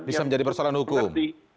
bisa menjadi persoalan hukum